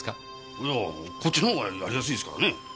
いやこっちのほうがやりやすいですからね。